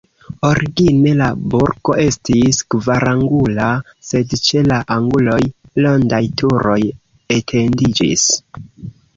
Origine la burgo estis kvarangula, sed ĉe la anguloj rondaj turoj etendiĝis.